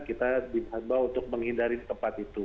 kita diambil untuk menghindari tempat itu